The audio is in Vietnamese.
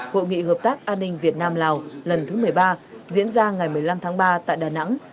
hội nghị hợp tác an ninh việt nam lào lần thứ một mươi ba diễn ra ngày một mươi năm tháng ba tại đà nẵng